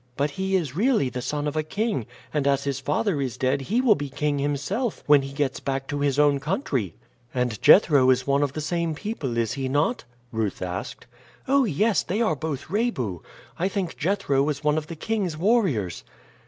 But he is really the son of a king, and as his father is dead he will be king himself when he gets back to his own country." "And Jethro is one of the same people, is he not?" Ruth asked. "Oh, yes! they are both Rebu. I think Jethro was one of the king's warriors."